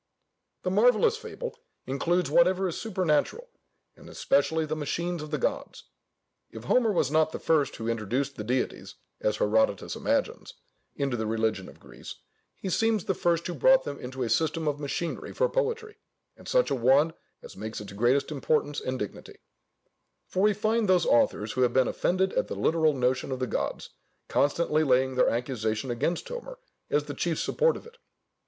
The marvellous fable includes whatever is supernatural, and especially the machines of the gods. If Homer was not the first who introduced the deities (as Herodotus imagines) into the religion of Greece, he seems the first who brought them into a system of machinery for poetry, and such a one as makes its greatest importance and dignity: for we find those authors who have been offended at the literal notion of the gods, constantly laying their accusation against Homer as the chief support of it.